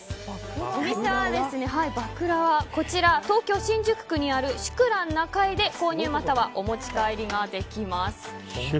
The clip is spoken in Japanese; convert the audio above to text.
お店は、東京・新宿区にあるシュクラン中井で購入またはお持ち帰りができます。